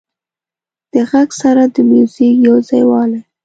د غږ سره د موزیک یو ځایوالی